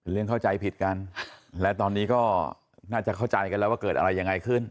เข้าใจผิดกันและตอนนี้ก็น่าจะเข้าใจกันแล้วว่าเกิดอะไรยังไงขึ้น